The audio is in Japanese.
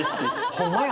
ホンマや！